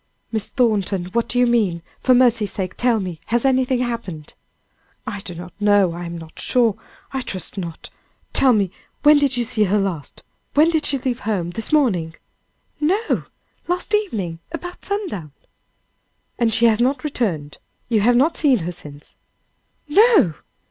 "Miss Thornton, what do you mean? For mercy's sake, tell me, has anything happened?" "I do not know I am not sure I trust not tell me! when did you see her last? When did she leave home? this morning?" "No! last evening, about sundown." "And she has not returned? You have not seen her since?" "No!"